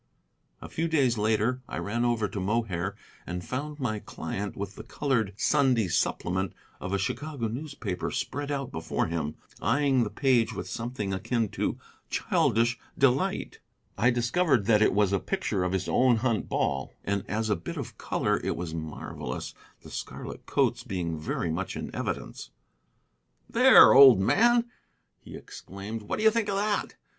A few days later I ran over to Mohair and found my client with the colored Sunday supplement of a Chicago newspaper spread out before him, eyeing the page with something akin to childish delight. I discovered that it was a picture of his own hunt ball, and as a bit of color it was marvellous, the scarlet coats being very much in evidence. "There, old man!" he exclaimed. "What do you think of that?